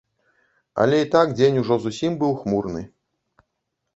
Але і так дзень ужо зусім быў хмурны.